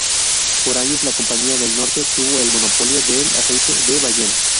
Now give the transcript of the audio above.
Por años la Compañía del Norte tuvo el monopolio del aceite de ballena.